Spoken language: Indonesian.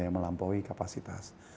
yang melampaui kapasitas